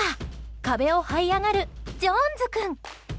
壁をはい上がるジョーンズ君。